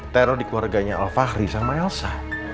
teror di keluarganya al fahri sama elsa